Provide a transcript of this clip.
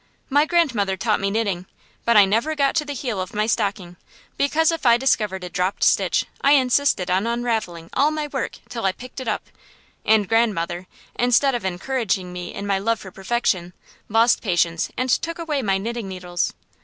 My grandmother taught me knitting, but I never got to the heel of my stocking, because if I discovered a dropped stitch I insisted on unravelling all my work till I picked it up; and grandmother, instead of encouraging me in my love for perfection, lost patience and took away my knitting needles.